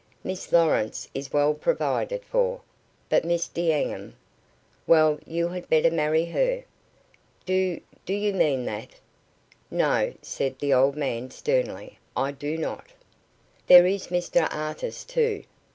Miss Lawrence is well provided for, but Miss D'Enghien " "Well, you had better marry her." "Do do you mean that?" "No," said the old man, sternly; "I do not." "There is Mr Artis, too.